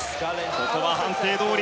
ここは判定どおり。